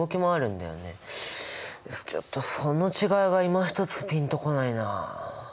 ちょっとその違いがいまひとつピンとこないな。